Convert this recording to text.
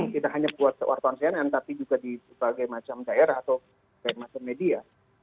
tidak hanya buat wartawan cnn tapi juga di berbagai macam daerah atau dari macam media